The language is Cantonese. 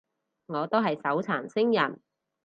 我都係手殘星人